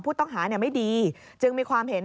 ผู้ต้องหาไม่ดีจึงมีความเห็น